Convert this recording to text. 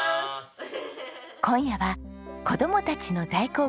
今夜は子供たちの大好物春巻きです。